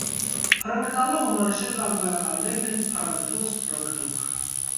Փռնգտալու հոմանիշներ կամ գոյականներն են՝ փռնգտոց, փռնգտուք։